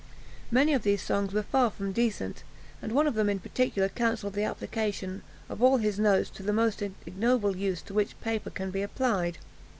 Many of these songs were far from decent; and one of them in particular counselled the application of all his notes to the most ignoble use to which paper can be applied.